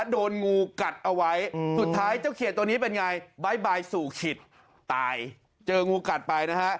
โดนงูกัดเอาไว้สุดท้ายเจ้าเขียดตัวนี้เป็นไงบ๊ายบายสู่ขิตตายเจองูกัดไปนะฮะ